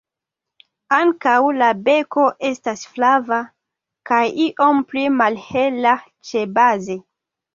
Ankaŭ la beko estas flava, kaj iom pli malhela ĉebaze.